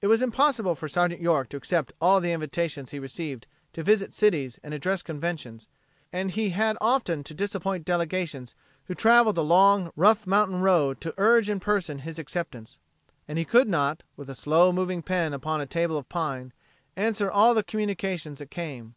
It was impossible for Sergeant York to accept all of the invitations he received to visit cities and address conventions, and he had often to disappoint delegations who traveled the long, rough mountain road to urge in person his acceptance. And he could not, with a slow moving pen upon a table of pine, answer all the communications that came.